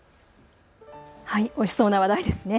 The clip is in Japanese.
おいしそうな話題ですね。